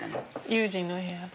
悠仁の部屋。